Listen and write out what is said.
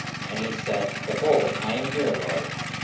And he said, Behold, I am here, Lord.